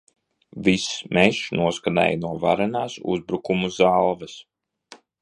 Viss mežs noskanēja no varenās uzbrukumu zalves.